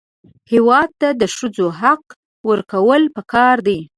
هېواد ته د ښځو حق ورکول پکار دي